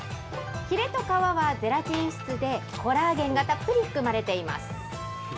ひれと皮はゼラチン質で、コラーゲンがたっぷり含まれています。